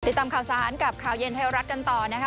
ติดตามข่าวสารกับข่าวเย็นไทยรัฐกันต่อนะคะ